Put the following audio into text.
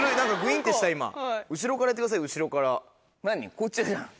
こっちじゃん。